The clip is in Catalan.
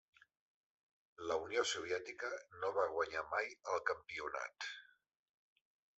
La Unió Soviètica no va guanyar mai el campionat.